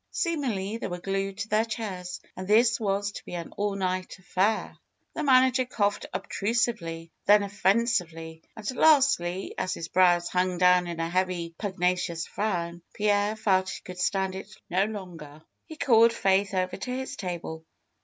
Seemingly, they were glued to their chairs, and this was to be an all night affair 1 The manager coughed obtrusively; then offensively. And lastly, as his brows hung down in a heavy, pug nacious frown, Pierre felt he could stand it no longer. 274 FAITH He called Faith over to his table.